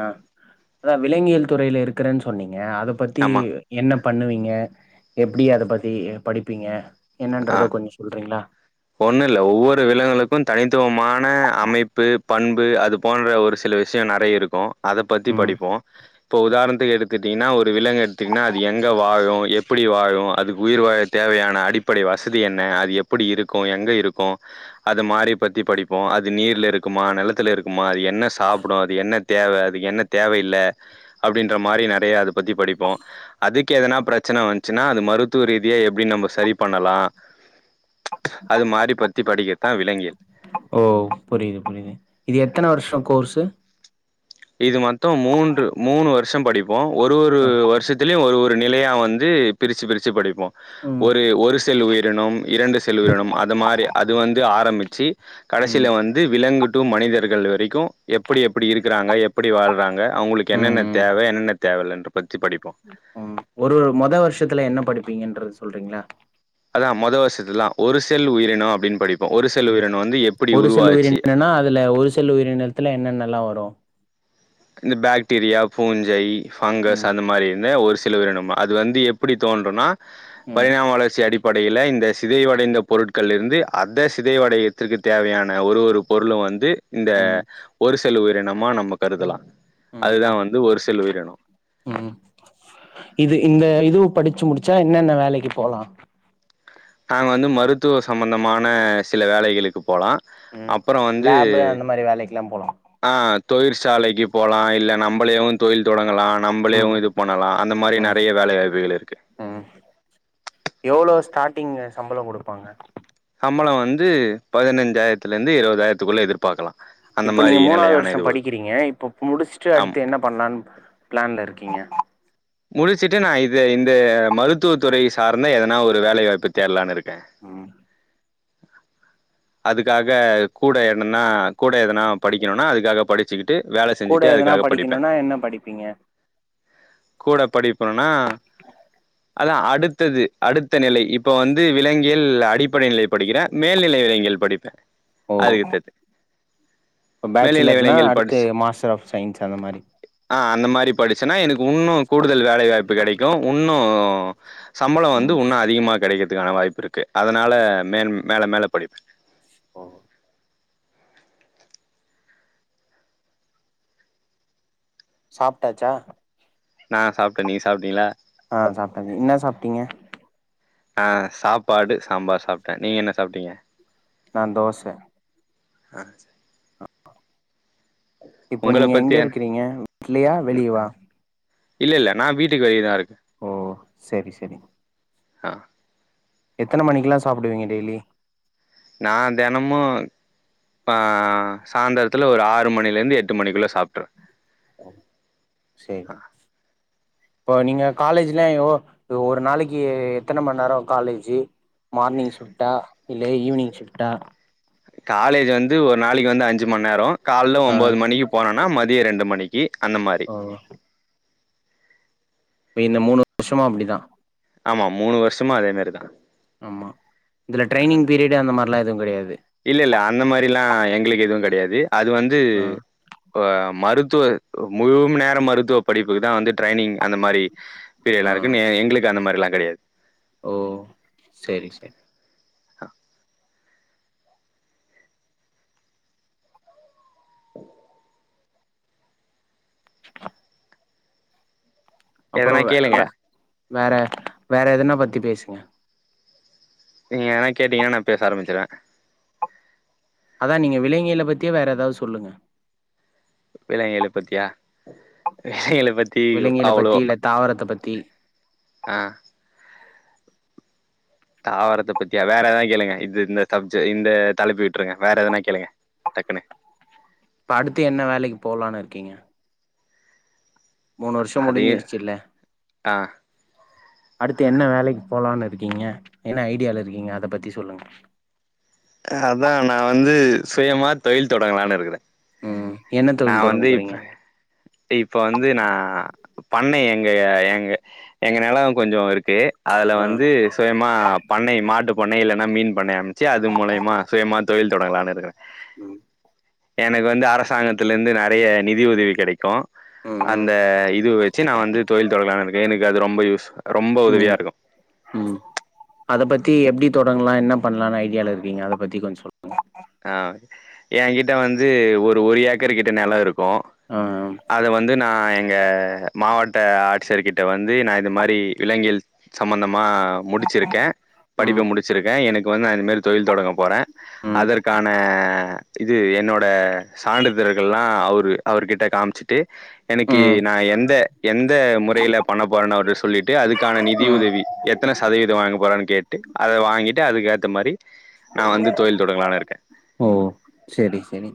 ஆ அதான் விலங்கியல் துறையில இருக்கறேன்னு சொன்னீங்க அத பத்தி ஆமா என்ன பண்ணுவீங்க எப்டி அத பத்தி படிப்பீங்க ஆ என்னன்றத கொஞ்சோ சொல்றீங்ளா ஒண்ணு இல்ல ஒவ்வொரு விலங்குளுக்கும் தனித்துவமான அமைப்பு பண்பு அது போன்ற ஒரு சில விஷயோ நெறைய இருக்கும் அத பத்தி ம் படிப்போ இப்போ உதாரணத்துக்கு எடுத்துக்கிட்டிங்கன்னா ஒரு விலங்கு எடுத்துட்டிங்கன்னா அது எங்கே வாழும் எப்படி வாழும் அது உயிர் வாழ தேவையான அடிப்படை வசதி என்ன அது எப்படி இரு க்கும் எங்க இருக்கும் அத மாரி பத்தி படிப்போ அது நீர்ல இருக்குமா நிலத்துல இருக் க்குமா அது என்ன சாப்பிடும் அது என்ன தேவ அதுக்கு என்ன தேவையில்ல அப்டின்ற மாரி நெறையா அத பத்தி படிப்போ அதுக்கு எதனா பிரச்சன வந்துச்சின்னா அது மருத்துவ ரீதியா எப்டி நம்ம சரி பண்ணலா அது மாரி பத்தி படிக்கிறத்தா விலங்கியல் ஓ புரியுது புரியுது இது எத்தன வருஷோ கோர்ஸ்சு இது மொத்தம் மூன்று மூணு வருஷம் படிப்போம் ஒரு ஒரு ஆ வருஷத் அதுலயு ஒரு ஒரு நிலையா வந்து பிரிச்சி பிரிச்சி படிப்போ ம் ஒரு ஒரு செல் உயிரினம் இரண்டு செல் உயிரினம் அது மாரி அது வந்து ஆரம்பிச்சி ம் கடைசியில வந் விலங்கு டூ மனிதர்கள் வரைக்கும் எப்படி எப்படி இருக்கிறாங்க எப் எப்படி வாழ்றாங்க அவுங்களுக்கு ம் என்னென்ன ம் தேவ என்னென்ன தேவையில்லன்ற பத்தி படிப்போ ம் ஒரு ஒரு மொத வருஷத்துல என்ன படிப்பீங்கன்றத சொல்றீங்களா அதா மொத வருசத்துலலா ஒரு செல் உயிரினம் அப்டின்னு படிப்போ ஒரு செல் உயிரினம் வந்து எப்டி உருவாச்சி ஆனா அதுல ஒரு சி செல் உயிரினத்தில என்னென்னலா வரும் இந்த பாக்டீரியா பூஞ்சை ஃபங்கஸ் ம் அந்த மாதிரி இருந்த ஒரு சில உயிரினம் அது வந்து எப்படி தோன்றுனா ம் பரிணாம வளர்ச்சி அடிப்ப படைல் இந்த சிதைவடைந்த பொருட்கள்லருந்து அத சிதைவடையத்திற்கு தேவையான ஒரு ஒரு பொருளும் வந்து இந்த ம் ஒரு செல் உயிரினமா நம்ம கருதலாம் ம் அதுதான் ம் வந்து ஒரு சில உயிரினம் ம் இது இந்த இது படிச்சு முடிச்சா என்னென்ன வேலைக்கு போலாம் நாங்க வந்து மருத்துவ சம்பந்தமான சில வேலைகளுக்கு போலாம் ம் அப்புறம் வந்து லேபு அந்த மாரி வேலைக்குல்லா போலா ஆ தொழிற்சாலைக்கு போலாம் இல்ல நம்மலீவும் தொழில் தொடங்கலாம் ம் நம்மளேம் இது பண்ணலாம் அந்த மாதிரி ம் நிறைய வேலைவாய்ப்புகள் இருக்குது ம் எவ்ளோ ஸ்டார்ட்டிங் சம்பளம் கொடுப்பாங்க சம்பளம் வந்து பதினைஞ்சாயிரத்துலிருந்து இருபதாயிரத்துக்குள்ள எதிர்பாக்கலாம். இப்போ நீங்க மூணாது வருஷம் படிக்கறீங்க இப்போ முடிச்சுட்டு ஆமா அடுத்து என்ன பண்ணலான்னு பிளான்ல இருக்கீங்க முடிச்சுட்டு நா இது இந்த மருத்துவ துறை சார்ந்த எதனா ஒரு வேலைவாய்ப்பு தேடலான்னு இருக்கே ம் அதுக்காக கூட என்னன்னா கூட எதனா படிக்கணுனா அதுக்காக படிச் வச்சுக்கிட்டு வேலை கூட செஞ்சுட்டே எதனா அதுக்காக படிப்பேன். படிக்கணுனா என்ன படிப்பீங்க கூட படிப்பறனா அதான் அடுத்தது அடுத்த நிலை இப்போ வந்து விலங்கியல் அடிப்படை நிலை படிக்கிறேன் மேல்நிலை விலங்கியல் படிப்பேன் ஓ இப்ப மேல்நிலை பேச்சலர்னா விலங்கியல் அடுத்து படிச்சு மாஸ்டர் ஆஃப் சயின்ஸ் அந்த மாறி ஆ அந்த மாறி படிச்சுன்னா எனக்கு உன்னும் கூடுதல் வேலை வாய்ப்பு கிடைக்கும் உன்னும் சம்பளம் வந்து ம் ஊன்னு அதிகமா கிடைக்கிறதுக்கான வாய்ப்பு இருக்குது அதனால மேல் மேல மேல படிப்ப ஒ சாப்ட்டாச்சா நா சாப்பிட்டேன் நீங்க சாப்பிட்டீங்களா! ஆ சாப்டீடென் என்ன சாப்பிட்டீங்க. ஆ சாப்பாடு சாம்பார் சாப்பிட்டேன் நீங்க என்ன சாப்பிட்டீங்க நான் தோசை இப்போ உங்கள நீங்க பத்தி எங்க என் இருக்கிறீங்க வீட்லயா வெளியயா இல்லல்ல நான் வீட்டுக்கு வெளியேதான் இருக்கே ஓ சரி சரி ஹ எத்தன மணிக்கலாம் சாப்பிடுவிங்க டெய்லி நான் தெனமு ஆ சாயந்தரத்துல ஒரு ஆறு மணிலேருந்து எட்டு மணிக்குள்ளே சாப்புட்ருவேன். ஓ சரி இப்போ நீங்க காலேஜ்லாம் ஒரு நாளைக்கு எத்தன மணி நேரம் காலேஜு மார்னிங் ஷிஃப்டா இல்ல ஈவினிங் ஷிஃப்டா காலேஜ் வந்து ஒரு நாளைக்கு வந்து அஞ்சு மணி நேரம் கால்ல ஆ ஒன்பது மணிக்கு போனோனா மதியம் ரெண்டு மணிக்கு அந்த மாறி ஓ இந்த மூணு வருஷமா அப்டிதான் ஆமா மூணு வருஷமா அதே மாறி தான் ஆமா இதுல ட்ரைய்னிங் பீரியடு அந்த மாறி லாம் எதுவு கெடையாது இல்ல இல்ல அந்த மாறில்லாம் எங்களுக்கு எதுவும் கிடையாது அது வந்து ஆ மருத்துவர் முழு நேரோ மருத்துவ படிப்புக்கு தா வந்து ட்ரைனிங் அந்த மாரி அப்படியெல்லா ஆ இருக்கு எங்களுக்கு அந்த மாரில்லா கெடையாது ஓ செரி செரி அப்புறொ எதனா வே கேளுங்க. வே வேற வேற எதனா பத்தி பேசுங்க நீங்க ஏதன கேட்டீங்கன்னா நா பேச ஆரம்பிச்சுறுவே அதா நீங்க விலங்கியல பத்தி வேற எதாவ்து சொல்லுங்க விலங்கியல பத்தியா விலங்குகள பத் விலங்கியல பத்தி இல்ல தாவரத்த பத்தி ஆ தாவரத்த பத்தியா வேற எதா கேளுங்க இது இந்த சப்ஜெ இந்த தலைப்ப விட்ருங்க வேற எதனா கேளுங்க டக்குனு இப்ப அடுத்து என்ன வேலைக்கி போலான்னு இருக்கீங்க மூணு வருஷோ அதையும் முடிஞ்சிடுச்சில்லா ஆ அடுத்து என்ன வேலைக்கி போலான்னு இருக்கீங்க என்ன ஐடியாவுல இருக்கீங்க அத பத்தி சொல்லுங்க அ அதா நா வந்து சுயமா தொழில் தொடங்கலான்னு இருக்கறோ ம் என்ன தொழில் தொடங்க போறீங்க இப்ப வந்து நா பண்ண எங்க எங்க எங்க நெலே கொஞ்சே இருக்கு அதுல ஆ வந்து சுயமா பண்ணை மாட்டு பண்ணை இல்லன்னா மீன் பண்ணை அமை வச்சி அது மூலியமா சுயமா தொழில் தொடங்கலான்னு இருக்கறே ம் எனக்கு வந்து அரசாங்கத்தில இருந்து நெறைய நிதி உதவி கெடைக்கூ ம் அந்த ம் இது வச்சு நா வந்து தொழில் தொடங்கலான்னு இருக்கே எனக்கு அது ரொம்ப யூஸ் ரொம்ப உதவியா ம் இருக்கோ ம் அத பத்தி எப்டி தொடங்கலா என்ன பண்ணலான்னு ஐடியாவ்ல இருக்கீங்க அத பத்தி கொஞ்சே சொல் ஆ ஏங் கிட்ட வந்து ஒரு ஒரு ஏக்கர் கிட்ட நெல இருக்கோ அ அம் அத வந்து நா எங்க மாவட்ட ஆட்சியர்கிட்ட வந்து நா இது மாரி விலங்கியல் சம்மந்தமா முடிச்சிருக்கே படிப்ப ம் முடிச்சிருக்கே எனக்கு வந்து நா இந்த மாதிரி தொழில் தொடங்க போறே ம் அதற்கான இது என்னோட சான்றிதழகள்லா அவுரு அவர்கிட்ட காம்ச்சிட்டு என்னைக்கி ம் நா எந்த எந்த முறையில பண்ண போறன் அவர்ட்ட சொல்லிட்டு அதுக்கான நிதி ம் உதவி எத்தன சதவீதம் வாங்க போறான்னு கேட் ட்டு அத வாங்கிட்டு அதுக்கேத்த மாதிரி நா வந்து தொழில் தொடங்கலான் இருக்கே ஓ செரி செரி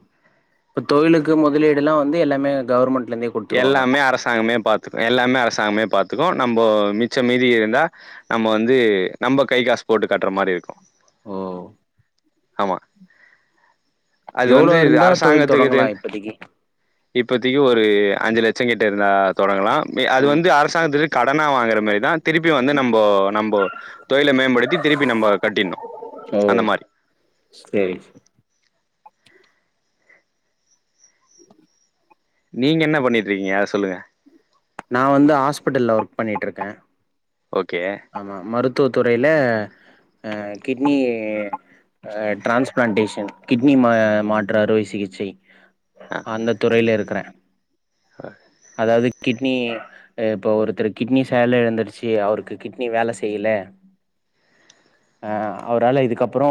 இப்ப தொழிலுக்கு முதலீடுல்லா வந்து எல்லாமே கவர்மெண்ட்ல இருந்தே குடுத்துருவாங்க எல்லாமே அரசாங்கமே பாத்துக்கோ எல்லாமே அரசாங்கமே பாத்துக்கோ நம்ப மிச்ச மீதி இருந்தா நம்ம வந்து நம்ப கை காசு போட்டு கட்ற மாரி இருக்கோ ஓ ஆமா அது எவ்ளோ வந்து இது இருந்தா தொழில் அரசாங்கத்துகிட்டே தொடங்கலா இருந்து இப்பதைக்கு இப்பத்தைக்கு ஒரு அஞ்சு லட்சம் கிட்ட இருந்தா தொடங்கலா அது ம் வந்து அரசாங்கத்துக்கிட்ட இருந்து கடனா வாங்கற மேரிதா திருப்பி வந்து நம்போ நம்போ தொழில மேம்படுத்தி திருப்பி நம்ம கட்டிட்ணோ ம் செரி நீங்க என்ன பண்ணிட்டு இருக்கீங்க அத சொல்லுங்க நா வந்து ஹாஸ்பிட்டல்ல ஒர்க் பண்ணிட்டு இருக்கே ஓகே ஆமா மருத்துவ துறையில அ கிட்னி அ ட்ரான்ஸ்பிளான்டேஷன் கிட்னி மாற்று அறுவை சிகிச்சை அந்த துறையில இருக்குறே அ அதாவது கிட்னி ஏ இப்போ ஒருத்தர் கிட்னி செயல் எழந்துருச்சி அவருக்கு கிட்னி வேல செய்ல அ அவரால இதுக்கப்ரோ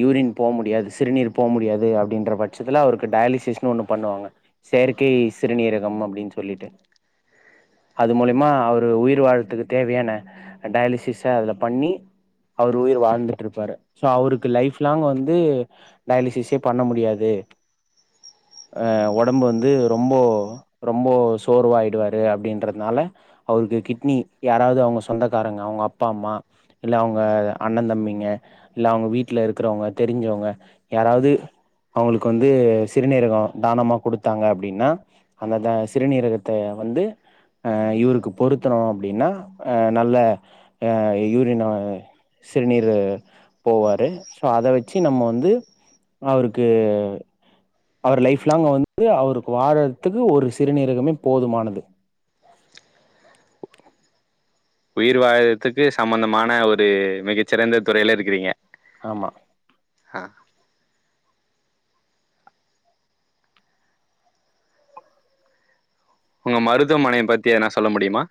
யூரின் போ முடியாது சிறுநீர் போ முடியாது அப்டின்ற பட்சத்துல அவருக்கு டயாலிசிஸ்னு ஒன்னு பண்ணுவாங்க செயற்கை சிறுநீரகம் அப்டின் சொல்லிட்டு அது மூலியமா அவரு உயிர் வாழறத்துக்கு தேவையான டயாலிசிஸ் அதுல பண்ணி அவர் உயிர் வாழ்ந்துட்டு இருப்பாரு சோ அவருக்கு லைஃப் லாங் வந்து டயாலிசிஸே பண்ண முடியாது அ உடம்பு வந்து ரொம்போ ரொம்ப சோர்வாயிடுவாரு அப்டின்றதுனால அவருக்கு கிட்னி யாராவது சொந்தக்காரங்க அவங்க அப்பா அம்மா இல்ல அவங்க அண்ணன் தம்பிங்க இல்ல அவங்க வீட்ல இருக்றவங்க தெரிஞ்சவங்க யாராவுது அவங்களுக்கு வந்து சிறுநீரகம் தானமா குடுத்தாங்க அப்டின்னா அந்தந்த சிறுநீரகத்த வந்து அ இவருக்கு பொருத்தணு அப்டினா அ நல்ல அ யூரி நோய் சிறுநீரு போவாரு சோ அத வச்சி நம்ம வந்து அவருக்கு அவர் லைஃப் லாங் வந்து அவருக்கு வாழ்றதுக்கு ஒரு சிறுநீரகமே போதுமானது உயிர் வாழ்றத்துக்கு சம்பந்தமான ஒரு மிகச்சிறந்த துறையில இருக்கிறீங்க ஆமா ஆ உங்க மருதுவமனைய பத்தி எதுனா சொல்ல முடியுமா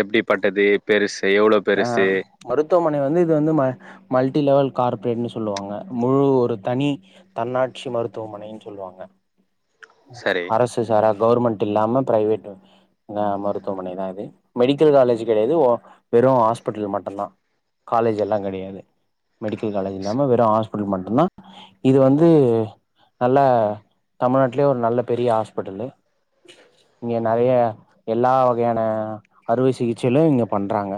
எப்டிப்பட்டது பெருசே எவ்ளோ ஆ பெருசே மருத்துவமனை வந்து இது வந்து ம மல்டி லெவல் கார்ப்பரேட்ன்னு சொல்லுவாங்க முழு ஒரு தனி தன்னாட்சி மருத்துவமனைன்னு சொல்லுவாங்க சரி அரசு சாரா கவுர்மெண்ட் இல்லாம பிரைவேட்டு னம் மருத்துவமனைதா இது மெடிக்கல் காலேஜ் கெடையாது ஓ வெறு ஹாஸ்பிட்டல் மட்டும்தா காலேஜ் எல்லா கெடையாது மெடிக்கல் காலேஜ் ஸ்- இல்லாம வெறு ஹாஸ்பிட்டல் மட்டு தா இது வந்து நல்ல தமிழ்நாட்டுலயே ஒரு நல்ல பெரிய ஹாஸ்பிட்டலு இங்க நறைய எல்லா வகையான அறுவை சிகிச்சையிலு இங்க பண்றாங்க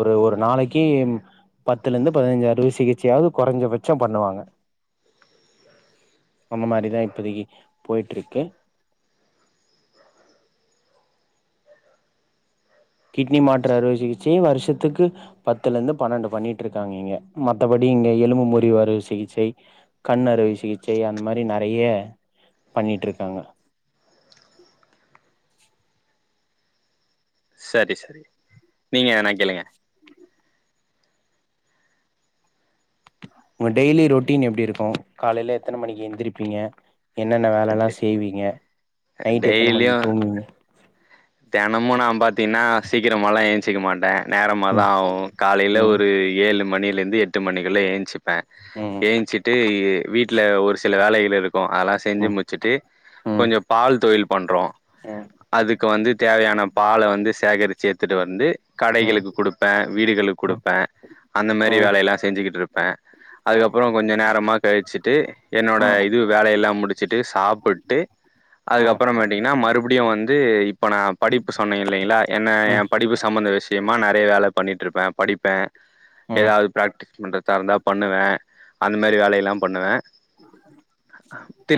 ஒரு ஒரு நாளைக்கிம் பத்துல இருந்து பதினஞ்சி அறுவை சிகிச்சையாவது குறைஞ்சபட்சம் பண்ணுவாங்க அந்த மாரிதா இப்போதைக்கி போயிட்ருக்கு கிட்னி மாற்று அறுவை சிகிச்சை வருஷத்துக்கு பத்துல இருந்து பன்னண்டு பண்ணிட்டு இருக்காங்க இங்க மத்தபடி இங்க எலும்பு முறிவு அறுவை சிகிச்சை கண் அறுவை சிகிச்சை அந்த மாதிரி நெறைய பண்ணிட்டு இருக்காங்க சரி சரி நீங்க ஏனா கேளுங்க உங்க டெய்லி ரொட்டீன் எப்டி இருக்கு காலேல எத்தன மணிக்கு எந்திரிப்பீங்க என்னென்ன வேலல்லா செய்வீங்க நைட் எத்தனை டெய்லியு மணிக்கு தூங்குவீங்க தெனமு நா பாத்தீங்னா சீக்கிரமாலா ஏஞ்சிக்க மாட்ட நேரமா ம் தா ஆகு காலேல ம் ஒரு ஏழு மணிலேருந்து எட்டு மணிக்குள்ள எஞ்சிப் ம் ஏஞ்சிட்டு வீட்ல ஒரு சில வேலைகள் இருக் அதெல்லா செஞ்சி ம் முட்ச்சிட்டு ம் கொஞ்ச பால் தொழில் பண்றோ ம் ம் அதுக் க வந்து தேவையான பால வந்து சேகரிச்சி எடுத்துட்டு வந்து கடைகளுக்கு ம் குடு ப வீடுகளுக்கு ம் குடுப்ப அந்த மாரி ம் வேலையெல்லா செஞ்சிக்கிட்டு இருப்ப ம் அதுக்கப்ரோ கொஞ்ச நேரமா கழிச்சிட்டு என்னோட ம் இது வேலையெல்லா முடிச்சிட்டு சாப்ட்டு ம் அதுக்கப்ரோ அ மாட்டீங்னா மறுபடியு வந்து இப்ப நா படிப்பு சொன்னே இல்லேல்லா என்ன ம் ஏ ம் படிப்பு சம்பந்த விஷயமா நறைய வேல பண்ணிட்டு இருப்ப படிப்ப ம் ம் ம் ஏதாவது பிராக்டிஸ் பண்றதா இருந்தாப் பண்ணுவ அந்த மாரி வேலையெல்லா பண்ணுவ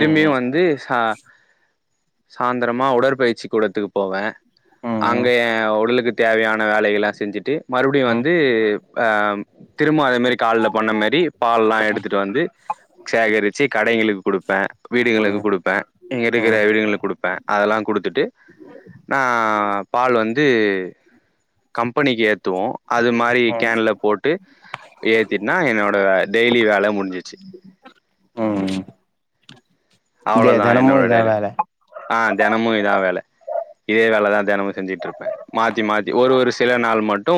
ம் வந்து சா சாய்ந்தரமா உடற்பயிற்சி கூடத்துக்கு போவே அங்கே ஏன் உடலுக்கு தேவையான வேலைகள்லா செஞ்சுட்டு மறுப்டி ம் வந்து அ திரும்ப அதே மாரி காலைல பண்ண மாரி பால்லா எடுத்துட்டு வந்து சேகரிச்சு கடைகளுக்கு குடுப்பே வீடுகளுக்கு குடுப்பே இருக்கிற ம் வீடுங்ளுக் குடுப்ப அதுலா குடுத்துட்டு நா பால் வந்து கம்பெனிக்கு ஏத்துவோம் அது மாரி ம் கேன்ல போட்டு ஏத்திட்னா என்னோட டெய்லி வேலை முடிஞ்சிச்சு ம் இங்க அவ்ளோதா தெனமு என்னோட இதா டெய்லி வேல ஆ தெனமு இதா வேல இதே வேலதான் தெனமும் செஞ்சுட்டு இருப்பே மாத்தி மாத்தி ஒரு ஒரு சில நாள் மட்டு ஒரு